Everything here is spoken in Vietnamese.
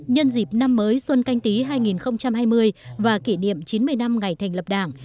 nhân dịp năm mới xuân canh tí hai nghìn hai mươi và kỷ niệm chín mươi năm ngày thành lập đảng